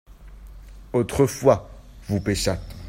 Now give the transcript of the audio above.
autrefois vous pêchâtes.